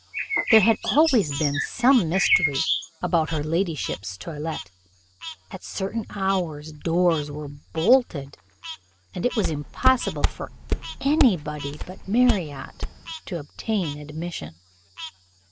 There had always been some mystery about her ladyship's toilette: at certain hours doors were bolted, and it was impossible for any body but Marriott to obtain admission.